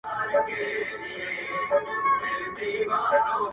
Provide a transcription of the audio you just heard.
• زه چي لـه چــــا سـره خبـري كـوم ـ